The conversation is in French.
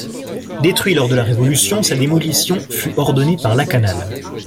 Détruit lors de la Révolution, sa démolition fut ordonnée par Lakanal.